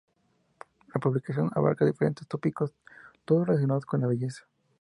La publicación abarca diferentes tópicos, todos relacionados con la belleza.